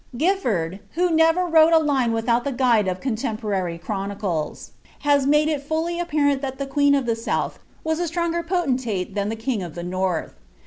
Gilford, who aever wW« a Hue without Ihe guide of contemporary chronicles, has nuidc it fijlly apparent that the queen of ihc south was a stronger poieniale than the king of the north.